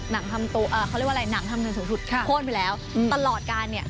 แล้วก็หนังทำเนื้อสถุทธิ์โคตรไปแล้วตลอดการเนี่ย